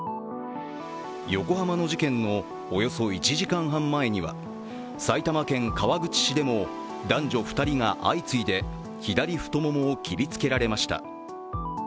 横浜の事件のおよそ１時間半前には埼玉県川口市でも男女２人が相次いで左太ももを切りつけられました。